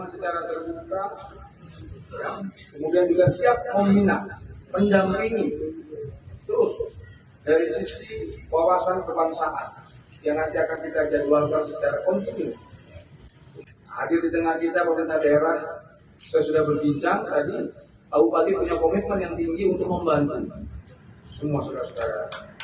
saya sudah berbincang tadi pak upati punya komitmen yang tinggi untuk membantuan semua saudara saudara